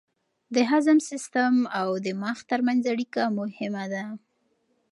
د هضم سیستم او دماغ ترمنځ اړیکه مهمه ده.